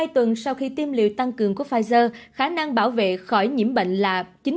hai tuần sau khi tiêm liệu tăng cường của pfizer khả năng bảo vệ khỏi nhiễm bệnh là chín mươi ba một